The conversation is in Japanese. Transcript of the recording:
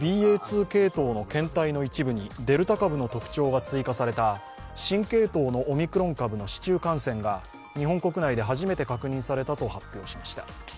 ２系統にデルタ株の特徴が追加された新系統のオミクロン株の市中感染が日本国内で初めて確認されたと発表しました。